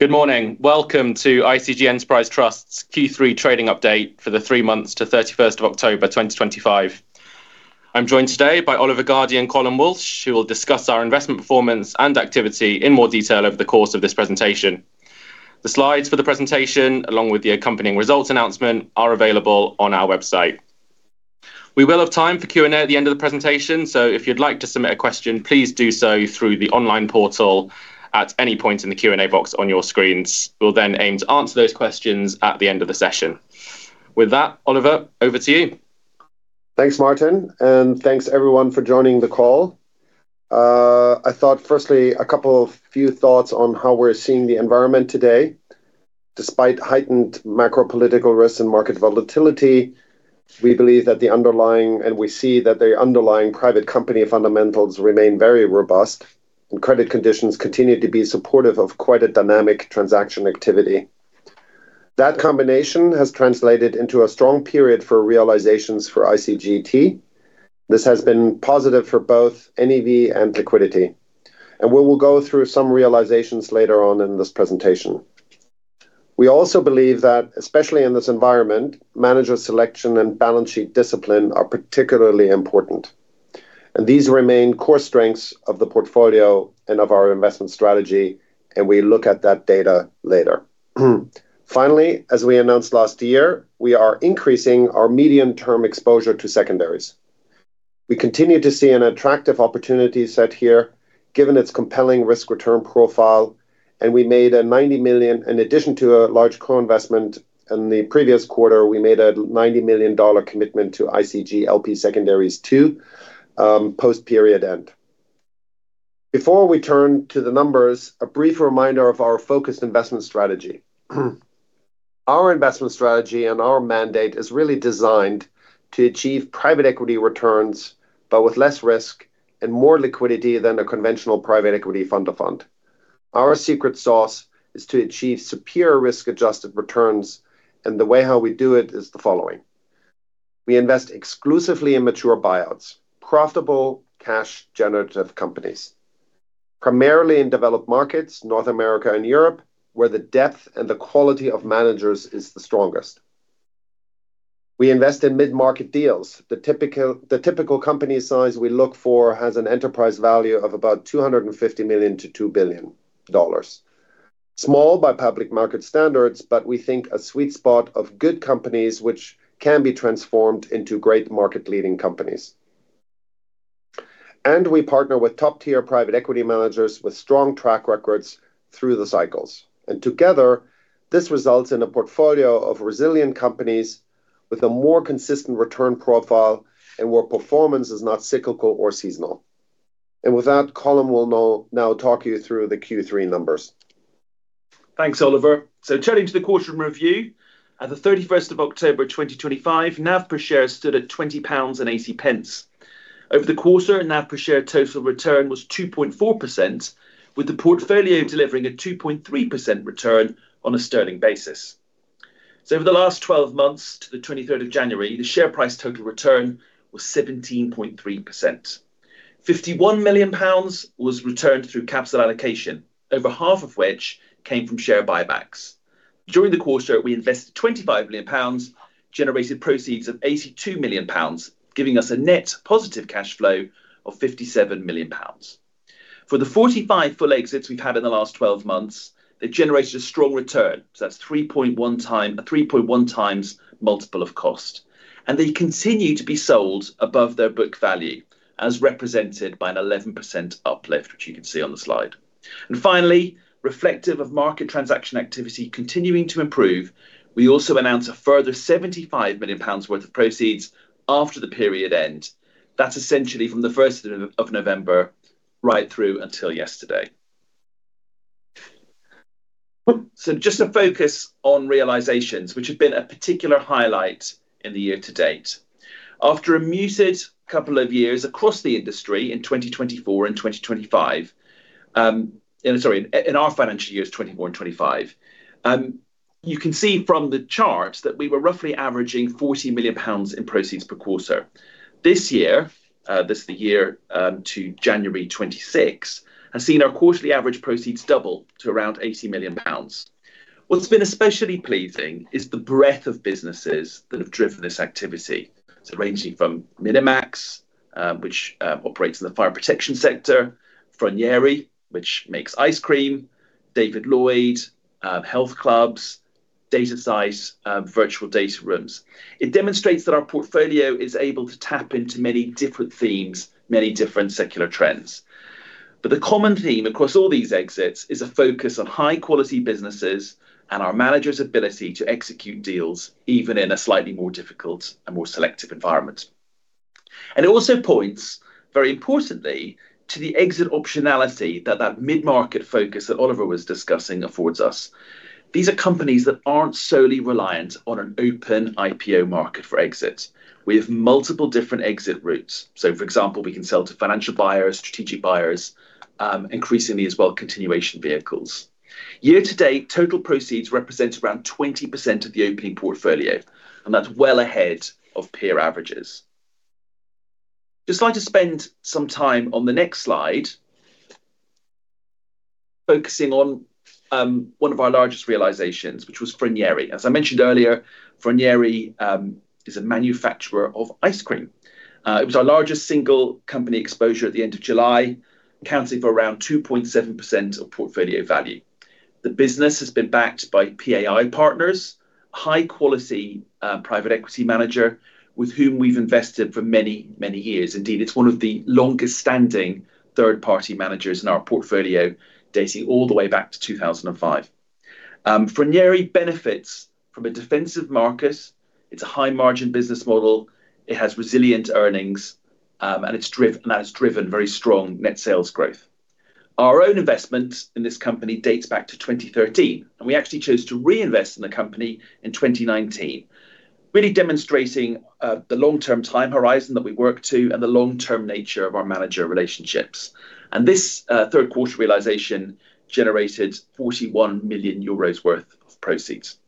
Good morning. Welcome to ICG Enterprise Trust's Q3 trading update for the three months to 31st of October, 2025. I'm joined today by Oliver Gardey and Colm Walsh, who will discuss our investment performance and activity in more detail over the course of this presentation. The slides for the presentation, along with the accompanying results announcement, are available on our website. We will have time for Q&A at the end of the presentation, so if you'd like to submit a question, please do so through the online portal at any point in the Q&A box on your screens. We'll then aim to answer those questions at the end of the session. With that, Oliver, over to you. Thanks, Martin, and thanks, everyone, for joining the call. I thought, firstly, a couple of few thoughts on how we're seeing the environment today. Despite heightened macro political risks and market volatility, we believe that the underlying-- and we see that the underlying private company fundamentals remain very robust, and credit conditions continue to be supportive of quite a dynamic transaction activity. That combination has translated into a strong period for realizations for ICGT. This has been positive for both NAV and liquidity, and we will go through some realizations later on in this presentation. We also believe that, especially in this environment, manager selection and balance sheet discipline are particularly important, and these remain core strengths of the portfolio and of our investment strategy, and we look at that data later. Finally, as we announced last year, we are increasing our medium-term exposure to secondaries. We continue to see an attractive opportunity set here, given its compelling risk-return profile, and in addition to a large co-investment in the previous quarter, we made a $90 million commitment to ICG LP Secondaries II, post-period end. Before we turn to the numbers, a brief reminder of our focused investment strategy. Our investment strategy and our mandate is really designed to achieve private equity returns, but with less risk and more liquidity than a conventional private equity fund of funds. Our secret sauce is to achieve superior risk-adjusted returns, and the way how we do it is the following: We invest exclusively in mature buyouts, profitable, cash-generative companies, primarily in developed markets, North America and Europe, where the depth and the quality of managers is the strongest. We invest in mid-market deals. The typical company size we look for has an enterprise value of about $250 million-$2 billion. Small by public market standards, but we think a sweet spot of good companies, which can be transformed into great market-leading companies. We partner with top-tier private equity managers with strong track records through the cycles, and together, this results in a portfolio of resilient companies with a more consistent return profile and where performance is not cyclical or seasonal. With that, Colm will now talk you through the Q3 numbers. Thanks, Oliver. So turning to the quarter in review. At the 31st of October 2025, NAV per share stood at 20.80 pounds. Over the quarter, NAV per share total return was 2.4%, with the portfolio delivering a 2.3% return on a sterling basis. So over the last 12 months to the 23rd of January, the share price total return was 17.3%. 51 million pounds was returned through capital allocation, over half of which came from share buybacks. During the quarter, we invested 25 million pounds, generated proceeds of 82 million pounds, giving us a net positive cash flow of 57 million pounds. For the 45 full exits we've had in the last 12 months, they've generated a strong return. So that's 3.1x multiple of cost, and they continue to be sold above their book value, as represented by an 11% uplift, which you can see on the slide. And finally, reflective of market transaction activity continuing to improve, we also announced a further 75 million pounds worth of proceeds after the period end. That's essentially from the first of November, right through until yesterday. So just to focus on realizations, which have been a particular highlight in the year to date. After a muted couple of years across the industry in our financial years 2024 and 2025, you can see from the charts that we were roughly averaging 40 million pounds in proceeds per quarter. This year, this is the year, to January 26, has seen our quarterly average proceeds double to around 80 million pounds. What's been especially pleasing is the breadth of businesses that have driven this activity. So ranging from Minimax, which operates in the fire protection sector, Froneri, which makes ice cream, David Lloyd, health clubs, Datasite, virtual data rooms. It demonstrates that our portfolio is able to tap into many different themes, many different secular trends. But the common theme across all these exits is a focus on high-quality businesses and our managers' ability to execute deals, even in a slightly more difficult and more selective environment. And it also points, very importantly, to the exit optionality that, that mid-market focus that Oliver was discussing affords us. These are companies that aren't solely reliant on an open IPO market for exit. We have multiple different exit routes. So, for example, we can sell to financial buyers, strategic buyers, increasingly as well, continuation vehicles. Year to date, total proceeds represent around 20% of the opening portfolio, and that's well ahead of peer averages. Just like to spend some time on the next slide, focusing on one of our largest realizations, which was Froneri. As I mentioned earlier, Froneri is a manufacturer of ice cream. It was our largest single company exposure at the end of July, accounting for around 2.7% of portfolio value. The business has been backed by PAI Partners, high quality private equity manager, with whom we've invested for many, many years. Indeed, it's one of the longest standing third-party managers in our portfolio, dating all the way back to 2005. Froneri benefits from a defensive market. It's a high-margin business model. It has resilient earnings, and it's and that has driven very strong net sales growth. Our own investment in this company dates back to 2013, and we actually chose to reinvest in the company in 2019, really demonstrating the long-term time horizon that we work to and the long-term nature of our manager relationships. And this third quarter realization generated 41 million euros worth of proceeds.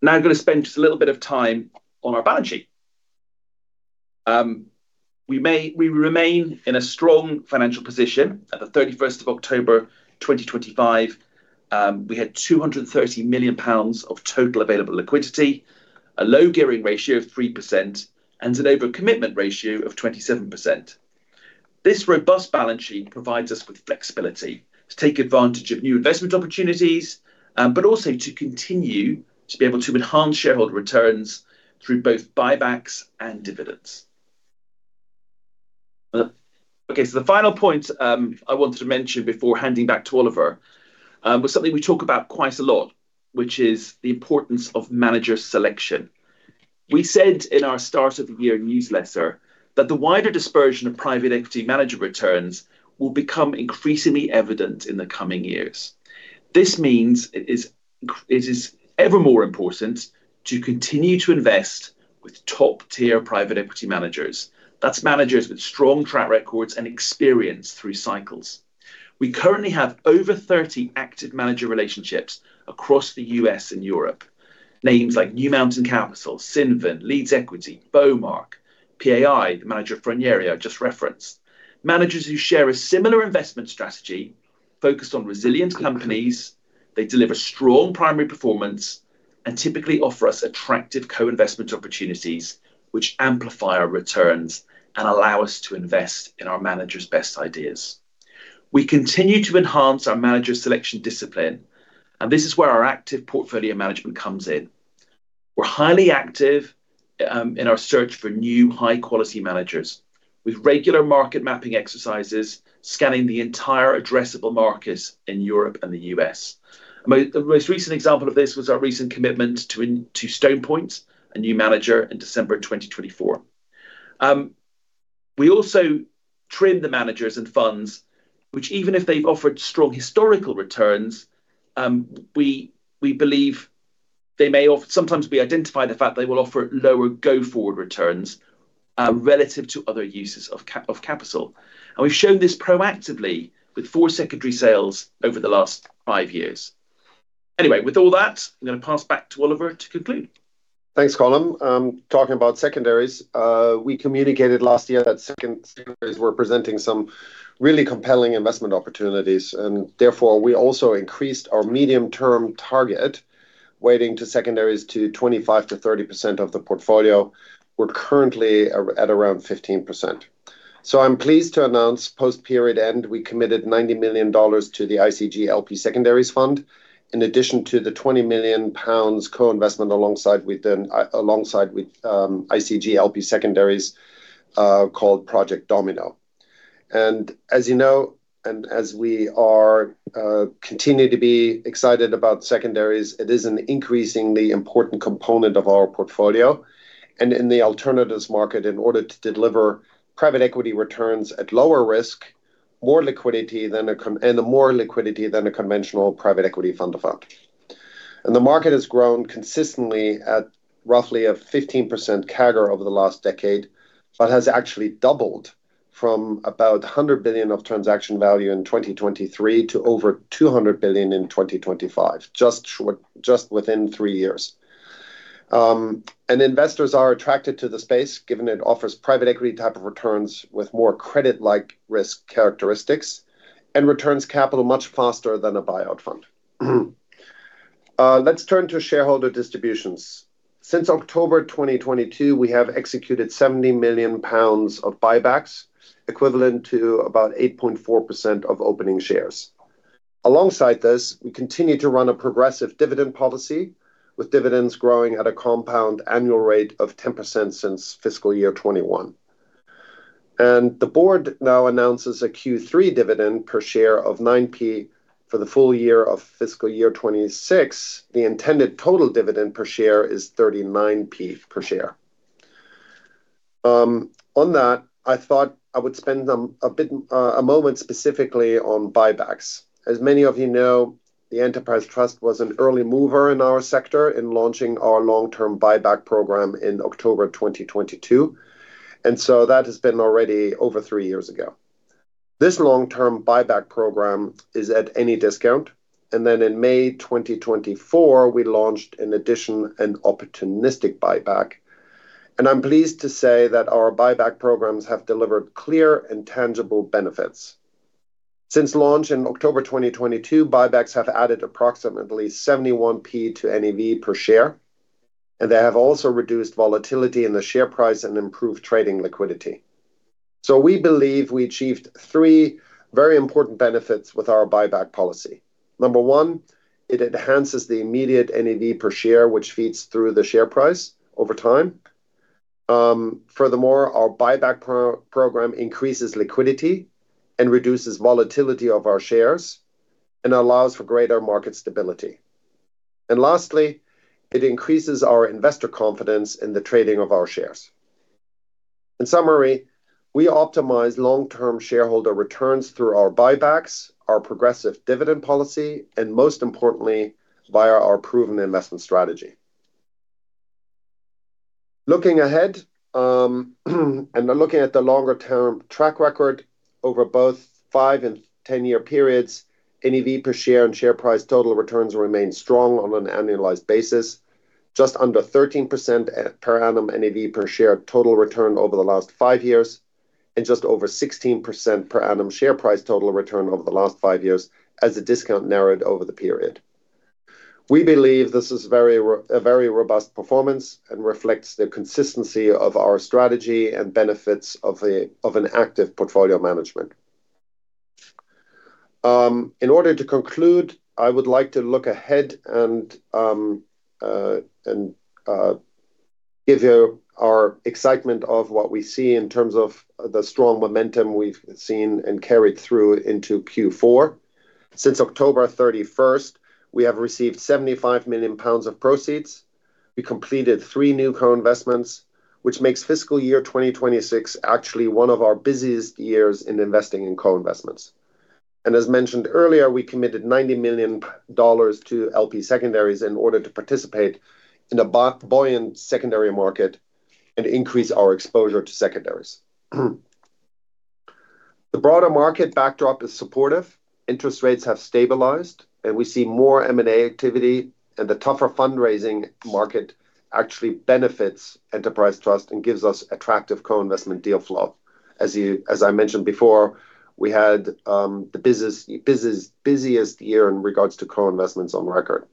Now, I'm gonna spend just a little bit of time on our balance sheet. We remain in a strong financial position. At the 31st of October 2025, we had 230 million pounds of total available liquidity, a low gearing ratio of 3%, and an overcommitment ratio of 27%. This robust balance sheet provides us with flexibility to take advantage of new investment opportunities, but also to continue to be able to enhance shareholder returns through both buybacks and dividends. Okay, so the final point I wanted to mention before handing back to Oliver was something we talk about quite a lot, which is the importance of manager selection. We said in our start of the year newsletter that the wider dispersion of private equity manager returns will become increasingly evident in the coming years. This means it is ever more important to continue to invest with top-tier private equity managers. That's managers with strong track records and experience through cycles. We currently have over 30 active manager relationships across the U.S. and Europe. Names like New Mountain Capital, Cinven, Leeds Equity, Bowmark, PAI, the manager of Froneri, I just referenced. Managers who share a similar investment strategy focused on resilient companies. They deliver strong primary performance and typically offer us attractive co-investment opportunities, which amplify our returns and allow us to invest in our managers' best ideas. We continue to enhance our manager selection discipline, and this is where our active portfolio management comes in. We're highly active in our search for new, high-quality managers, with regular market mapping exercises, scanning the entire addressable markets in Europe and the U.S. The most recent example of this was our recent commitment to Stone Point Capital, a new manager in December 2024. We also trim the managers and funds, which, even if they've offered strong historical returns, we believe they may offer, sometimes we identify the fact they will offer, lower go-forward returns relative to other uses of capital. We've shown this proactively with four secondary sales over the last five years. Anyway, with all that, I'm gonna pass back to Oliver to conclude. Thanks, Colm. Talking about secondaries, we communicated last year that secondaries were presenting some really compelling investment opportunities, and therefore, we also increased our medium-term target weighting to secondaries to 25%-30% of the portfolio. We're currently at around 15%. So I'm pleased to announce, post-period end, we committed $90 million to the ICG LP Secondaries Fund, in addition to the 20 million pounds co-investment alongside ICG LP Secondaries, called Project Domino. And as you know, and as we are continue to be excited about secondaries, it is an increasingly important component of our portfolio and in the alternatives market, in order to deliver private equity returns at lower risk and more liquidity than a conventional private equity fund of funds. The market has grown consistently at roughly a 15% CAGR over the last decade, but has actually doubled from about $100 billion of transaction value in 2023 to over $200 billion in 2025, just short, just within 3 years. And investors are attracted to the space, given it offers private equity type of returns with more credit-like risk characteristics and returns capital much faster than a buyout fund. Let's turn to shareholder distributions. Since October 2022, we have executed 70 million pounds of buybacks, equivalent to about 8.4% of opening shares. Alongside this, we continue to run a progressive dividend policy, with dividends growing at a compound annual rate of 10% since fiscal year 2021. The board now announces a Q3 dividend per share of 9p. For the full year of fiscal year 2026, the intended total dividend per share is 39p per share. On that, I thought I would spend a bit a moment specifically on buybacks. As many of you know, the Enterprise Trust was an early mover in our sector in launching our long-term buyback program in October 2022, and so that has been already over three years ago. This long-term buyback program is at any discount. Then in May 2024, we launched, in addition, an opportunistic buyback. I'm pleased to say that our buyback programs have delivered clear and tangible benefits. Since launch in October 2022, buybacks have added approximately 71p to NAV per share, and they have also reduced volatility in the share price and improved trading liquidity. We believe we achieved three very important benefits with our buyback policy. Number 1, it enhances the immediate NAV per share, which feeds through the share price over time. Furthermore, our buyback program increases liquidity and reduces volatility of our shares and allows for greater market stability. Lastly, it increases our investor confidence in the trading of our shares. In summary, we optimize long-term shareholder returns through our buybacks, our progressive dividend policy, and most importantly, via our proven investment strategy. Looking ahead, and then looking at the longer-term track record over both 5- and 10-year periods, NAV per share and share price total returns remain strong on an annualized basis, just under 13% per annum NAV per share total return over the last 5 years, and just over 16% per annum share price total return over the last 5 years as the discount narrowed over the period. We believe this is a very robust performance and reflects the consistency of our strategy and benefits of an active portfolio management. In order to conclude, I would like to look ahead and give you our excitement of what we see in terms of the strong momentum we've seen and carried through into Q4. Since October 31st, we have received 75 million pounds of proceeds. We completed 3 new co-investments, which makes fiscal year 2026 actually one of our busiest years in investing in co-investments. And as mentioned earlier, we committed $90 million to LP secondaries in order to participate in a buoyant secondary market and increase our exposure to secondaries. The broader market backdrop is supportive. Interest rates have stabilized, and we see more M&A activity, and the tougher fundraising market actually benefits Enterprise Trust and gives us attractive co-investment deal flow. As I mentioned before, we had the busiest year in regards to co-investments on record.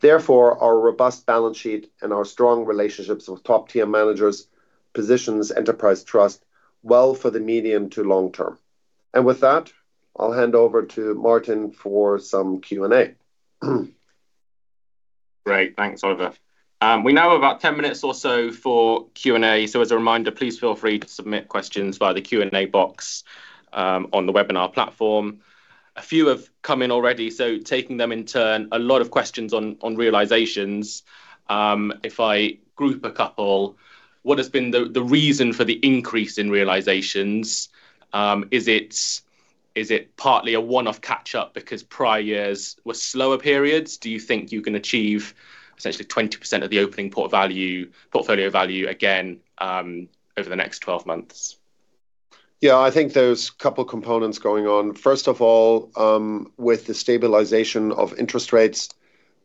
Therefore, our robust balance sheet and our strong relationships with top-tier managers positions Enterprise Trust well for the medium to long term. And with that, I'll hand over to Martin for some Q&A. Great. Thanks, Oliver. We now have about 10 minutes or so for Q&A. As a reminder, please feel free to submit questions via the Q&A box on the webinar platform. A few have come in already, so taking them in turn, a lot of questions on realizations. If I group a couple, what has been the reason for the increase in realizations? Is it partly a one-off catch-up because prior years were slower periods? Do you think you can achieve essentially 20% of the opening port value, portfolio value again over the next 12 months? Yeah, I think there's a couple components going on. First of all, with the stabilization of interest rates,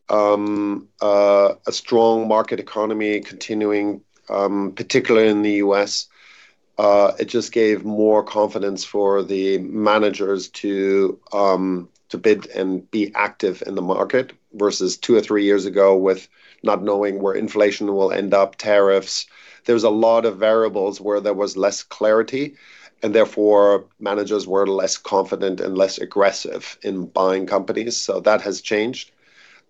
a strong market economy continuing, particularly in the US, it just gave more confidence for the managers to bid and be active in the market versus two or three years ago with not knowing where inflation will end up, tariffs. There was a lot of variables where there was less clarity, and therefore, managers were less confident and less aggressive in buying companies, so that has changed.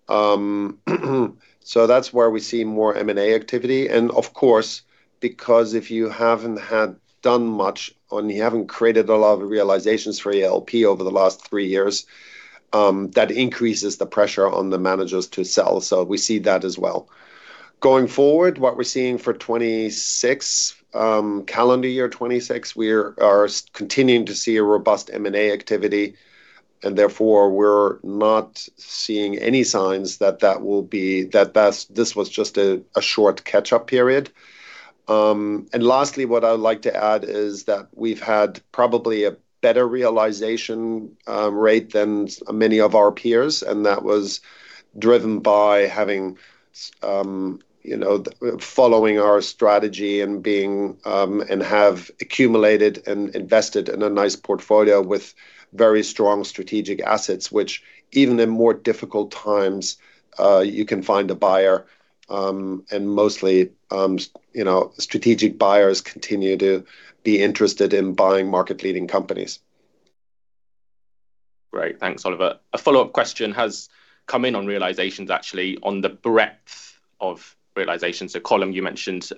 So that's where we see more M&A activity, and of course, because if you haven't had done much, or you haven't created a lot of realizations for your LP over the last three years, that increases the pressure on the managers to sell. So we see that as well. Going forward, what we're seeing for 2026, calendar year 2026, we're continuing to see a robust M&A activity, and therefore, we're not seeing any signs that that will be, that that's, this was just a short catch-up period. And lastly, what I would like to add is that we've had probably a better realization rate than many of our peers, and that was driven by having, you know, following our strategy and being, and have accumulated and invested in a nice portfolio with very strong strategic assets, which even in more difficult times, you can find a buyer. And mostly, you know, strategic buyers continue to be interested in buying market-leading companies. Great. Thanks, Oliver. A follow-up question has come in on realizations, actually, on the breadth of realizations. So, Colm, you mentioned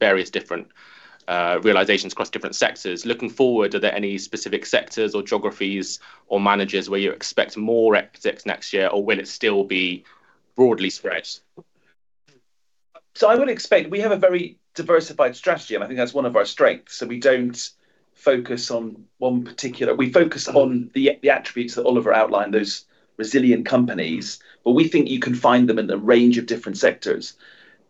various different realizations across different sectors. Looking forward, are there any specific sectors or geographies or managers where you expect more exits next year, or will it still be broadly spread? So I would expect. We have a very diversified strategy, and I think that's one of our strengths, and we don't focus on one particular. We focus on the attributes that Oliver outlined, those resilient companies, but we think you can find them in a range of different sectors.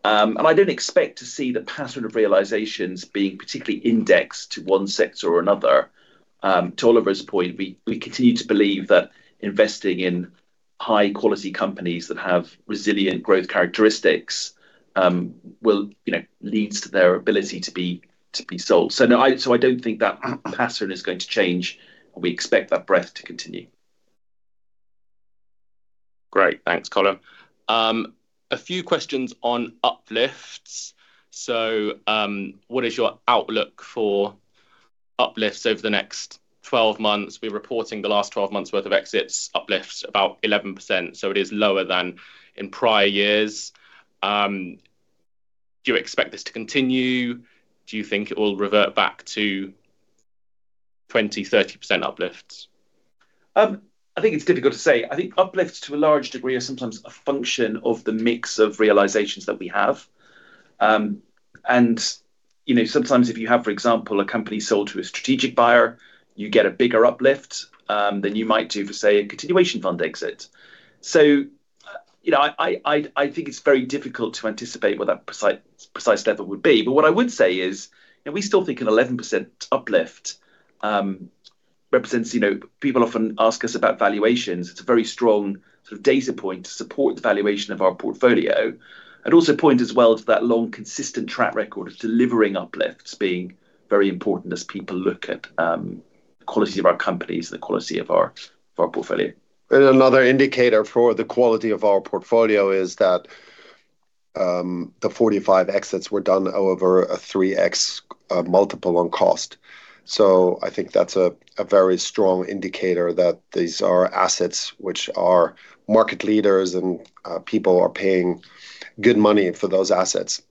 And I don't expect to see the pattern of realizations being particularly indexed to one sector or another. To Oliver's point, we continue to believe that investing in high-quality companies that have resilient growth characteristics will, you know, lead to their ability to be sold. So, no, so I don't think that pattern is going to change, and we expect that breadth to continue. Great. Thanks, Colm. A few questions on uplifts. What is your outlook for uplifts over the next 12 months? We're reporting the last 12 months' worth of exits uplifts about 11%, so it is lower than in prior years. Do you expect this to continue? Do you think it will revert back to 20%-30% uplifts? I think it's difficult to say. I think uplifts, to a large degree, are sometimes a function of the mix of realizations that we have. And, you know, sometimes if you have, for example, a company sold to a strategic buyer, you get a bigger uplift than you might do for, say, a continuation fund exit. So, you know, I think it's very difficult to anticipate what that precise level would be, but what I would say is, you know, we still think an 11% uplift represents... You know, people often ask us about valuations. It's a very strong sort of data point to support the valuation of our portfolio. It also points as well to that long, consistent track record of delivering uplifts, being very important as people look at the quality of our companies, the quality of our portfolio. Another indicator for the quality of our portfolio is that the 45 exits were done over a 3x multiple on cost. So I think that's a very strong indicator that these are assets which are market leaders, and people are paying good money for those assets.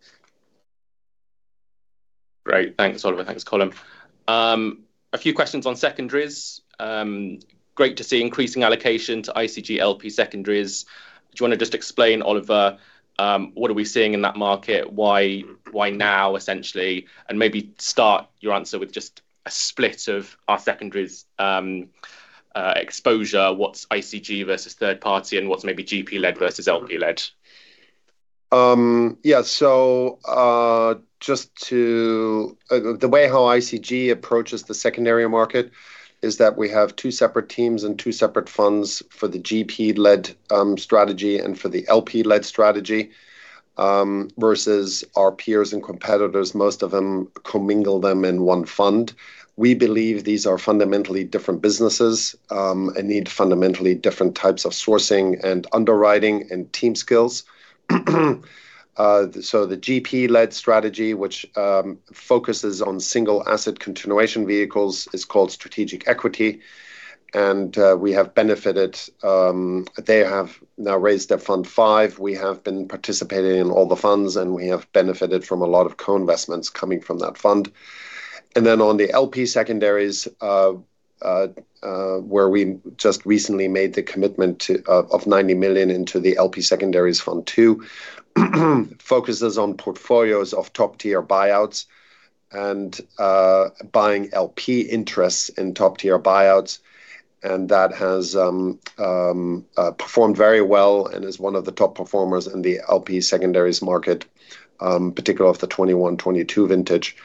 Great. Thanks, Oliver. Thanks, Colm. A few questions on secondaries. Great to see increasing allocation to ICG LP secondaries. Do you wanna just explain, Oliver, what are we seeing in that market? Why, why now, essentially, and maybe start your answer with just a split of our secondaries, exposure, what's ICG versus third party, and what's maybe GP-led versus LP-led? Yeah. So, just to the way how ICG approaches the secondary market is that we have two separate teams and two separate funds for the GP-led strategy and for the LP-led strategy, versus our peers and competitors, most of them commingle them in one fund. We believe these are fundamentally different businesses, and need fundamentally different types of sourcing and underwriting and team skills. So the GP-led strategy, which focuses on single asset continuation vehicles, is called Strategic Equity, and we have benefited. They have now raised their fund five. We have been participating in all the funds, and we have benefited from a lot of co-investments coming from that fund. And then on the LP secondaries, where we just recently made the commitment to of $90 million into the LP secondaries fund two, focuses on portfolios of top-tier buyouts and buying LP interests in top-tier buyouts. And that has performed very well and is one of the top performers in the LP secondaries market, particularly of the 2021, 2022 vintage.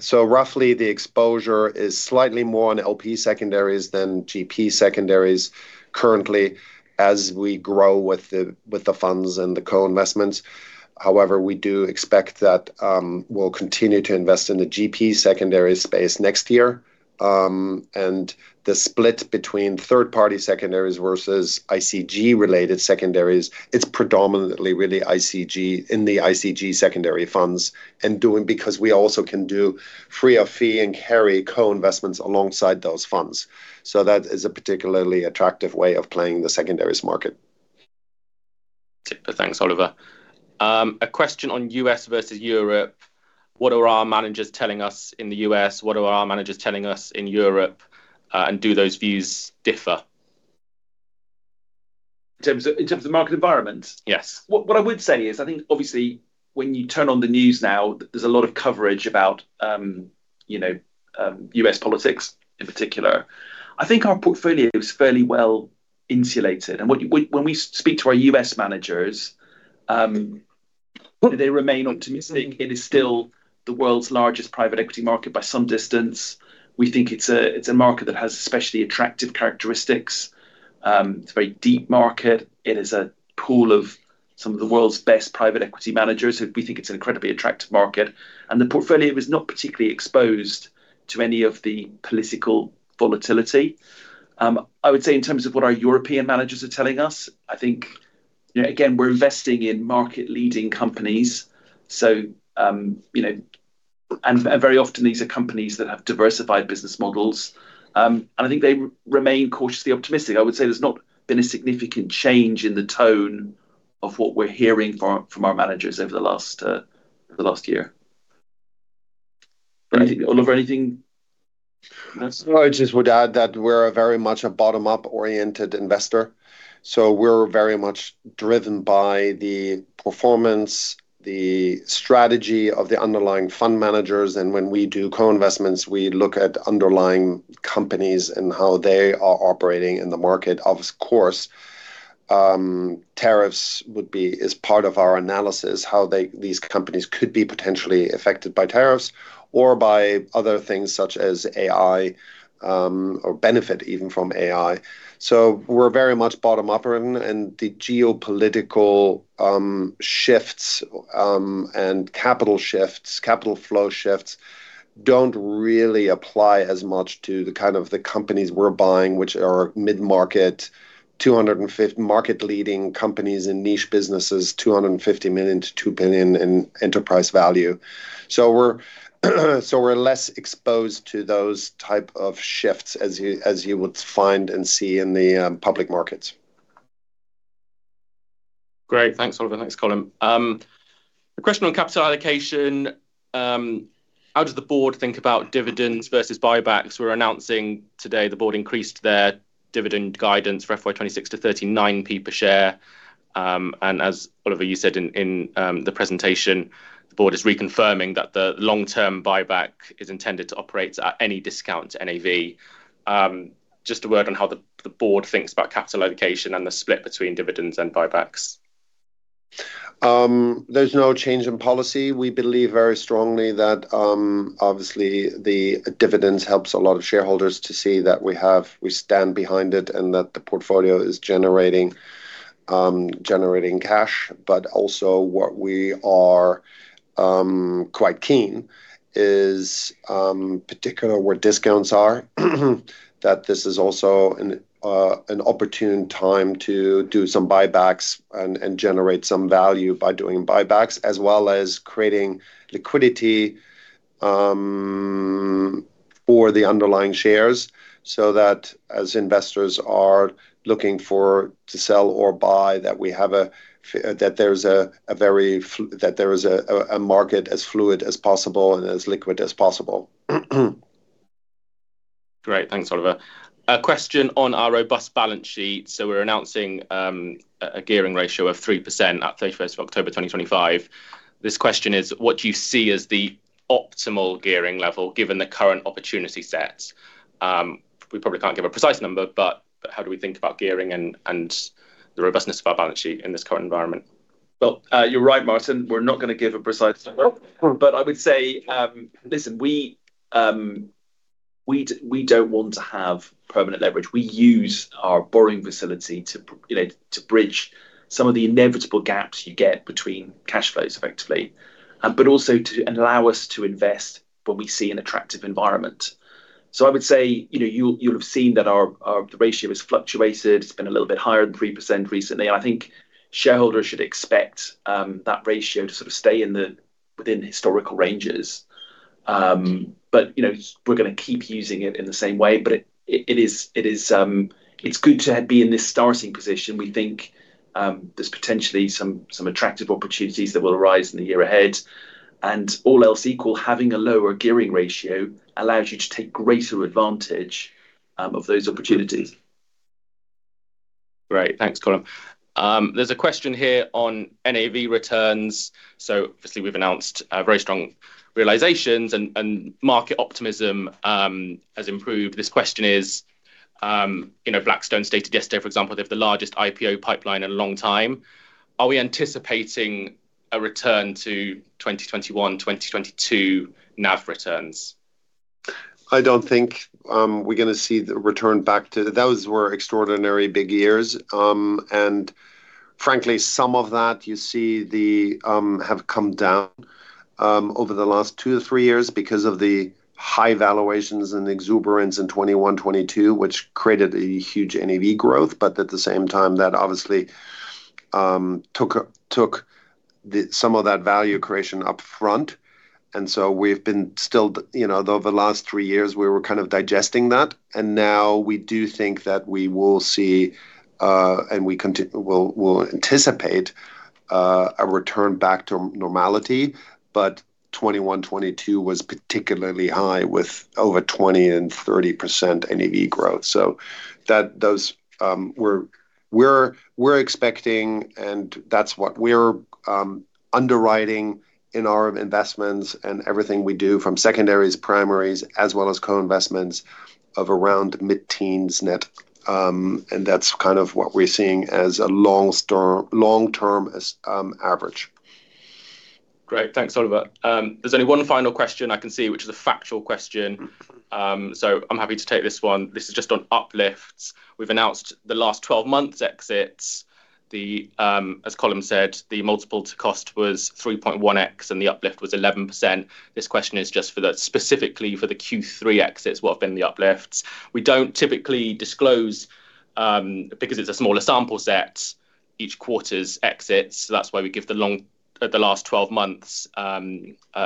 So roughly, the exposure is slightly more on LP secondaries than GP secondaries currently, as we grow with the funds and the co-investments. However, we do expect that we'll continue to invest in the GP secondary space next year. And the split between third-party secondaries versus ICG-related secondaries, it's predominantly really ICG, in the ICG secondary funds, and doing because we also can do free of fee and carry co-investments alongside those funds. So that is a particularly attractive way of playing the secondaries market. Thanks, Oliver. A question on U.S. versus Europe. What are our managers telling us in the U.S.? What are our managers telling us in Europe, and do those views differ? In terms of, in terms of market environment? Yes. What I would say is, I think, obviously, when you turn on the news now, there's a lot of coverage about, you know, U.S. politics in particular. I think our portfolio is fairly well-insulated, and when we speak to our U.S. managers, they remain optimistic. It is still the world's largest private equity market by some distance. We think it's a market that has especially attractive characteristics. It's a very deep market. It is a pool of some of the world's best private equity managers. We think it's an incredibly attractive market, and the portfolio is not particularly exposed to any of the political volatility. I would say in terms of what our European managers are telling us, I think, you know, again, we're investing in market-leading companies. So, you know, and very often these are companies that have diversified business models. I think they remain cautiously optimistic. I would say there's not been a significant change in the tone of what we're hearing from our managers over the last year. Oliver, anything? I just would add that we're a very much a bottom-up-oriented investor, so we're very much driven by the performance, the strategy of the underlying fund managers, and when we do co-investments, we look at underlying companies and how they are operating in the market. Of course, tariffs is part of our analysis, how these companies could be potentially affected by tariffs or by other things such as AI, or benefit even from AI. So we're very much bottom-up, and the geopolitical shifts, and capital shifts, capital flow shifts don't really apply as much to the kind of the companies we're buying, which are mid-market, 250 market-leading companies in niche businesses, 250 million-2 billion in enterprise value. So we're less exposed to those type of shifts, as you would find and see in the public markets. Great. Thanks, Oliver. Thanks, Colm. A question on capital allocation. How does the board think about dividends versus buybacks? We're announcing today the board increased their dividend guidance for FY 2026 to 0.39 per share. And as Oliver, you said in the presentation, the board is reconfirming that the long-term buyback is intended to operate at any discount to NAV. Just a word on how the board thinks about capital allocation and the split between dividends and buybacks. There's no change in policy. We believe very strongly that, obviously, the dividends helps a lot of shareholders to see that we have... We stand behind it, and that the portfolio is generating cash. But also, what we are quite keen is particular where discounts are, that this is also an opportune time to do some buybacks and generate some value by doing buybacks, as well as creating liquidity for the underlying shares. So that as investors are looking for to sell or buy, that we have a that there's a very fluid market that there is a market as fluid as possible and as liquid as possible. Great. Thanks, Oliver. A question on our robust balance sheet. So we're announcing a gearing ratio of 3% at 31st of October 2025. This question is: What do you see as the optimal gearing level, given the current opportunity set? We probably can't give a precise number, but how do we think about gearing and the robustness of our balance sheet in this current environment? Well, you're right, Martin. We're not gonna give a precise number. But I would say, listen, we don't want to have permanent leverage. We use our borrowing facility to, you know, to bridge some of the inevitable gaps you get between cash flows, effectively, but also to allow us to invest when we see an attractive environment. So I would say, you know, you'll have seen that our ratio has fluctuated. It's been a little bit higher than 3% recently. I think shareholders should expect that ratio to sort of stay within historical ranges. But, you know, we're gonna keep using it in the same way, but it is good to be in this starting position. We think there's potentially some attractive opportunities that will arise in the year ahead. All else equal, having a lower gearing ratio allows you to take greater advantage of those opportunities. Great. Thanks, Colm. There's a question here on NAV returns. So obviously, we've announced very strong realizations and, and market optimism has improved. This question is, you know, Blackstone stated yesterday, for example, they have the largest IPO pipeline in a long time. Are we anticipating a return to 2021, 2022 NAV returns? I don't think we're gonna see the return back to... Those were extraordinary big years. And frankly, some of that you see the have come down over the last 2-3 years because of the high valuations and exuberance in 2021, 2022, which created a huge NAV growth. But at the same time, that obviously took the some of that value creation up front, and so we've been still, you know, over the last three years, we were kind of digesting that. And now we do think that we will see, and we'll anticipate a return back to normality, but 2021, 2022 was particularly high, with over 20 and 30% NAV growth. So, those we're expecting, and that's what we're underwriting in our investments and everything we do, from secondaries, primaries, as well as co-investments of around mid-teens net. And that's kind of what we're seeing as a long-term average. Great. Thanks, Oliver. There's only one final question I can see, which is a factual question. So I'm happy to take this one. This is just on uplifts. We've announced the last twelve months exits. The, as Colm said, the multiple to cost was 3.1x, and the uplift was 11%. This question is just for the, specifically for the Q3 exits, what have been the uplifts? We don't typically disclose, because it's a smaller sample set, each quarter's exits. So that's why we give the long, the last twelve months, a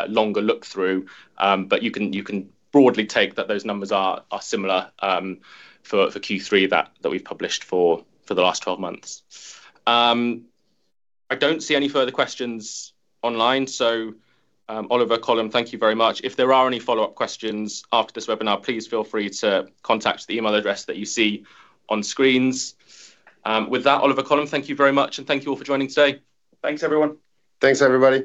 longer look through. But you can, you can broadly take that those numbers are, are similar, for, for Q3, that, that we've published for, for the last twelve months. I don't see any further questions online, so, Oliver, Colm, thank you very much. If there are any follow-up questions after this webinar, please feel free to contact the email address that you see on screens. With that, Oliver, Colm, thank you very much, and thank you all for joining today. Thanks, everyone. Thanks, everybody.